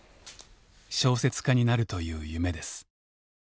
小説家になるという夢です。